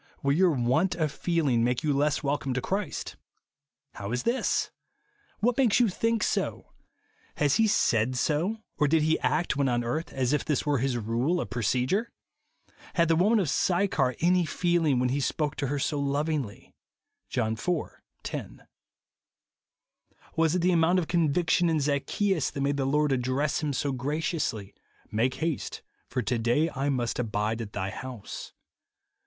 Will your want of feeling make you less tvelcome to Christ ? How is this ? 156 INSENSIBILITY, What makes you think so ? Has he said so, or did he act, when on earth, as if this v/ere his rule of procedure ? Had the ■\Yoman of Sychar any feehng when he spoke to her so lovingly? (John iv. 10). Was it the amount of conviction in Zac cheus that made the Lord address him so graciously, " Make haste, for to day I must abide at thy house?"